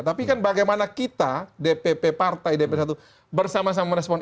tapi kan bagaimana kita dpp partai dp satu bersama sama merespon